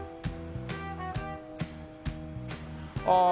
ああ